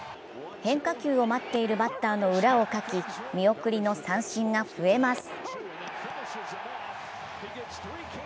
変化球を待っているバッターの裏をかき見送りの三振が増えます。